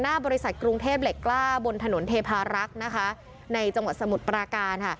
บริษัทกรุงเทพเหล็กกล้าบนถนนเทพารักษ์นะคะในจังหวัดสมุทรปราการค่ะ